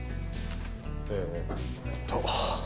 えーっと。